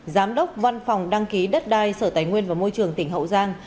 giám đốc văn phòng đăng ký đất đai sở tài nguyên và môi trường tỉnh hậu giang